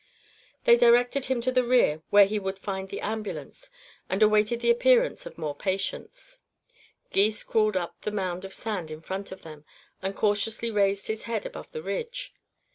They directed him to the rear, where he would find the ambulance, and awaited the appearance of more patients. Gys crawled up the mound of sand in front of them and cautiously raised his head above the ridge.